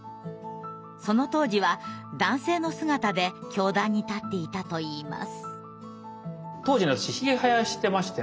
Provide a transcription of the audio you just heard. その当時は男性の姿で教壇に立っていたといいます。